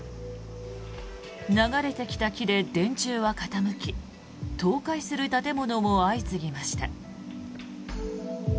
流れてきた木で電柱は傾き倒壊する建物も相次ぎました。